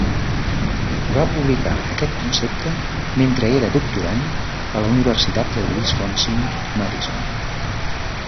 Va publicar aquest concepte mentre era doctorand a la Universitat de Wisconsin-Madison.